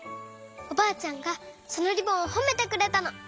おばあちゃんがそのリボンをほめてくれたの。